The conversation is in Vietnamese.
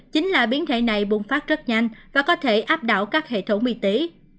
chính là biến thể này bùng phát rất nhanh và có thể áp đảo các hệ thống y tế